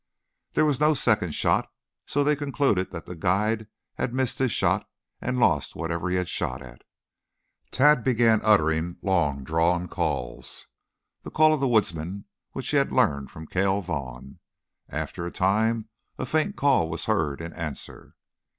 There was no second shot, so they concluded that the guide had missed his shot and lost whatever he had shot at. Tad began uttering long drawn calls, the call of the woodsman which he had learned from Cale Vaughn. After a time a faint call was heard in answer.